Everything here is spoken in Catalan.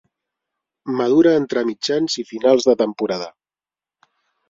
Madura entre mitjans i finals de temporada.